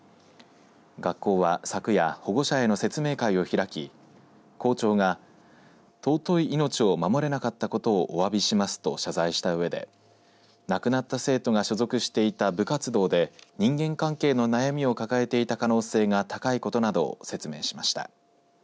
学校は、昨夜保護者への説明会を開き校長が尊い命を守れなかったことをおわびしますと謝罪したうえで亡くなった生徒が所属していた部活動で人間関係の悩みを抱えていた可能性が高いことなどを説明しました。